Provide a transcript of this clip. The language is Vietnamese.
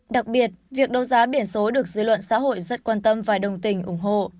đặc biệt việc đấu giá biển số được dư luận xã hội rất quan tâm và đồng tình ủng hộ